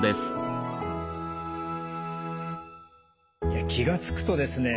いや気が付くとですね